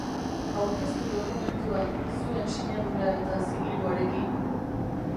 Aurkeztu dokumentua, zuen sinadura eta zigiluarekin.